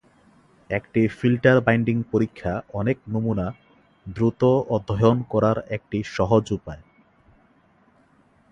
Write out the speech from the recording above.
একটি filter binding পরীক্ষা অনেক নমুনা দ্রুত অধ্যয়ন করার একটি সহজ উপায়।